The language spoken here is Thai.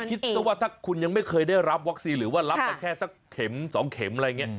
คิดซะว่าถ้าคุณยังไม่เคยได้รับวัคซีนหรือว่ารับมาแค่สักเข็ม๒เข็มอะไรอย่างนี้